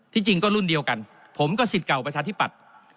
จริงก็รุ่นเดียวกันผมก็สิทธิ์เก่าประชาธิปัตย์